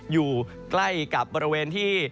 อยู่ใกล้กับบริเวณที่